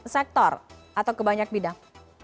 sektor atau kebanyak bidang